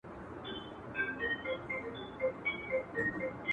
ما یي پر غاړه آتڼونه غوښتل!!